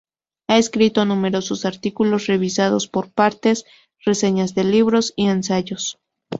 Ha escrito numerosos artículos revisados por pares, reseñas de libros y ensayos.